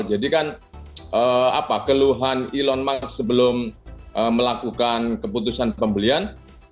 jadi kan apa keluhan elon musk sebelum melakukan keputusan pembelian